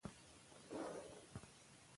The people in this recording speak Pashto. په افغانستان کې د ځمکه منابع شته.